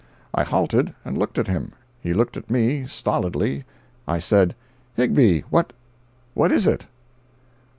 I halted, and looked at him. He looked at me, stolidly. I said: "Higbie, what—what is it?"